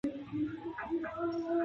روسو نظریه ټولنیز تړون دئ.